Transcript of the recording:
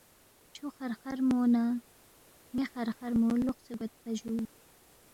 چھُو خرخرمو نہ مے خرخرمو لوقسے گویدپا جُو